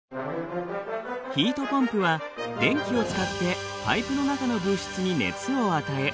ヒートポンプは電気を使ってパイプの中の物質に熱を与え